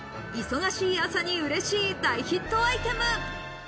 忙しい朝に嬉しい大ヒットアイテム。